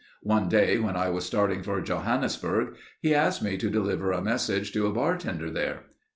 One day when I was starting for Johannesburg, he asked me to deliver a message to a bartender there.